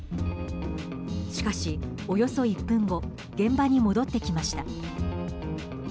しかし、およそ１分後現場に戻ってきました。